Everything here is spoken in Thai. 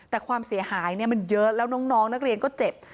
แต่ความเสียหายมันเยอะแล้วน้องนักเรียนก็เจ็บ